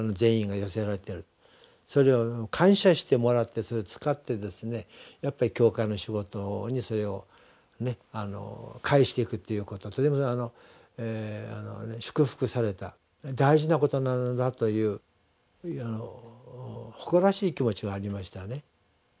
それを感謝してもらってそれを使ってやっぱり教会の仕事にそれを返していくということはとても祝福された大事なことなのだという誇らしい気持ちもありましたね。